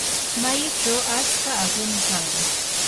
mayuchaw atska aqum kan.